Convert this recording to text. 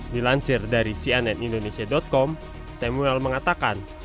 dilansir dari cnindonesia com samuel mengatakan